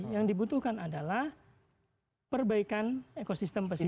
yang dibutuhkan adalah perbaikan ekosistem pesisir